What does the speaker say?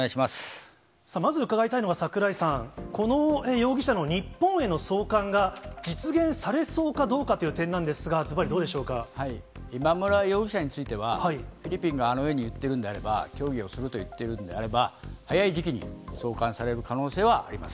まず、伺いたいのが櫻井さん、この容疑者の日本への送還が実現されそうかどうかという点なんで今村容疑者については、フィリピンがあのように言っているんであれば、協議をすると言っているんであれば、早い時期に送還される可能性はあります。